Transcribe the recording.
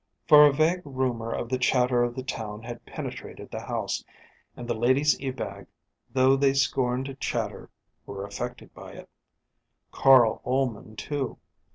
For a vague rumour of the chatter of the town had penetrated the house, and the ladies Ebag, though they scorned chatter, were affected by it; Carl Ullman, too.